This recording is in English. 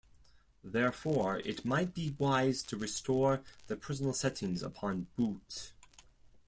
Therefore, it might be wise to restore the personal settings upon boot.